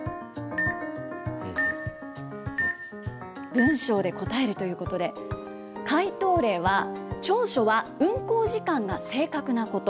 文章で答えるということで、解答例は、長所は運行時間が正確なこと。